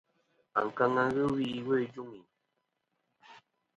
Ankaŋa wi iwo ijuŋi.